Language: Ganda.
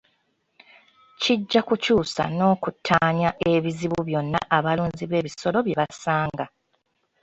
Kijja kukyusa n'okuttaanya ebizibu byonna abalunzi b'ebisolo bye basanga.